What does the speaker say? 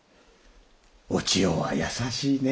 お千代は優しいね。